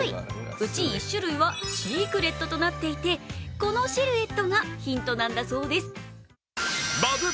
うち１種類はシークレットとなっていて、このシルエットがヒントなんだそうです。